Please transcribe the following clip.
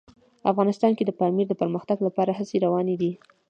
افغانستان کې د پامیر د پرمختګ لپاره هڅې روانې دي.